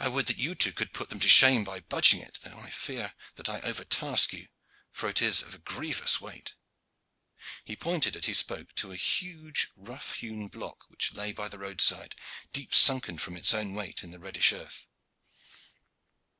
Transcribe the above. I would that you two could put them to shame by budging it, though I fear that I overtask you, for it is of a grievous weight." He pointed as he spoke to a huge rough hewn block which lay by the roadside, deep sunken from its own weight in the reddish earth.